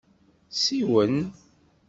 Siwen.